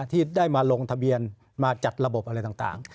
ที่ได้มาลงทะเบียนมาจัดระบบอะไรต่าง